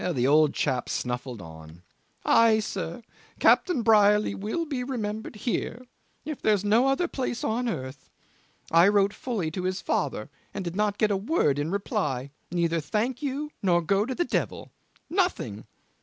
The old chap snuffled on '"Ay, sir, Captain Brierly will be remembered here, if there's no other place on earth. I wrote fully to his father and did not get a word in reply neither Thank you, nor Go to the devil! nothing!